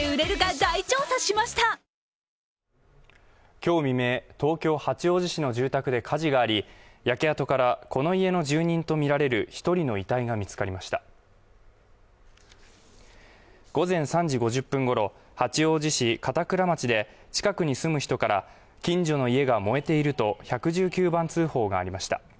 今日未明東京八王子市の住宅で火事があり焼け跡からこの家の住人と見られる一人の遺体が見つかりました午前３時５０分ごろ八王子市片倉町で近くに住む人から近所の家が燃えていると１１９番通報がありました